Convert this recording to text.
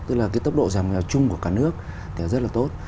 tức là cái tốc độ giảm nghèo chung của cả nước thì rất là tốt